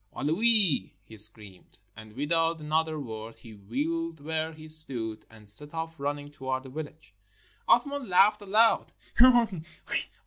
"Aloui!" he screamed. And without another word he wheeled where he stood, and set off running towards the village. Athman laughed aloud.